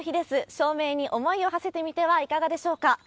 照明に思いをはせてみてはいかがでしょうか。